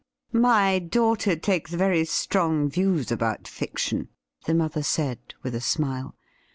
' My daughter takes very strong views about fiction,' the mother said, with a smile.